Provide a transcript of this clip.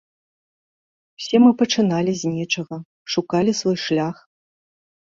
Усе мы пачыналі з нечага, шукалі свой шлях.